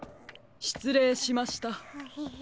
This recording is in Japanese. しつれいしました。